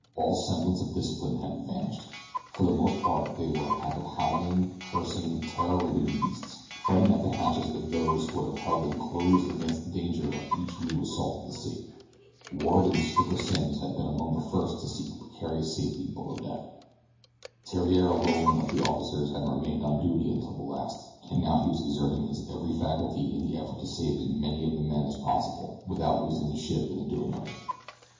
All semblance of discipline had vanished. For the most part they were a pack of howling, cursing, terror ridden beasts, fighting at the hatches with those who would have held them closed against the danger of each new assault of the sea. Ward and Skipper Simms had been among the first to seek the precarious safety below deck. Theriere alone of the officers had remained on duty until the last, and now he was exerting his every faculty in the effort to save as many of the men as possible without losing the ship in the doing of it.